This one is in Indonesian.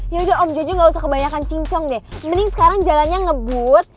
yaudah om jojo ga usah kebanyakan cincong deh mending sekarang jalannya ngebut